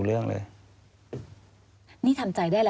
ควิทยาลัยเชียร์สวัสดีครับ